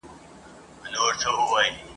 هري ښځي ته روپۍ یې وې منلي !.